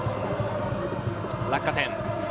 落下点。